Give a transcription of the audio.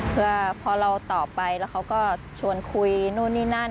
เพื่อพอเราตอบไปแล้วเขาก็ชวนคุยนู่นนี่นั่น